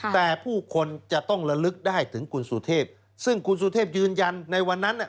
แต่ผู้คนจะต้องระลึกได้ถึงคุณสุเทพซึ่งคุณสุเทพยืนยันในวันนั้น